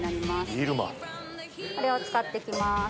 これを使って行きます。